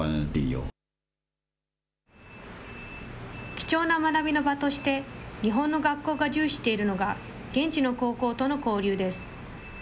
貴重な学びの場として、日本の学校が重視しているのが、現地の高校との交流です。